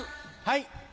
はい。